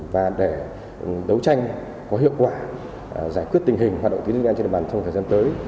và để đấu tranh có hiệu quả giải quyết tình hình hoạt động tiến dụng nhân trị địa bàn trong thời gian tới